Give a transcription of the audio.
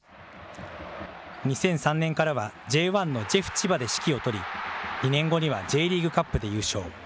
２００３年からはＪ１のジェフ千葉で指揮を執り、２年後にはＪリーグカップで優勝。